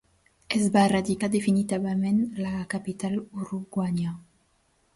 Es va radicar definitivament a la capital uruguaiana.